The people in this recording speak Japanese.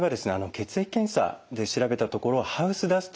血液検査で調べたところハウスダストですね